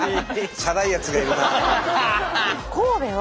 チャラいやつがいるな。